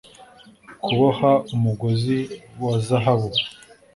Kuboha umugozi wa zahabu